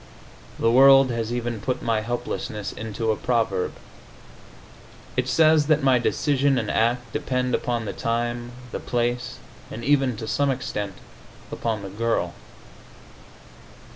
The world has even put my helplessness into a proverb. It says that my decision and act depend upon the time, the place and even to some extent, upon the girl.